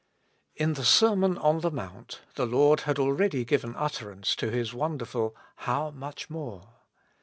IN the Sermon on the Mount, the Lord had ah'eady given utterance to His wonderful How much MORE